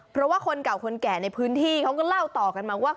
เพราะว่าคนเก่าคนแก่ในพื้นที่เขาก็เล่าต่อกันมาว่า